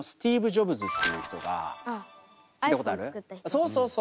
そうそうそう。